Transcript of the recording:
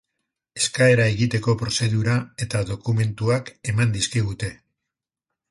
Eskaera egiteko prozedura eta dokumentuak eman dizkigute.